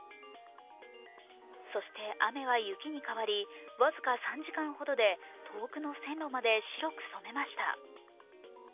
そして雨は雪に変わり、僅か３時間ほどで遠くの線路まで白く染めました。